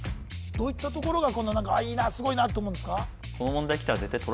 どういったところがいいなすごいなと思うんですか？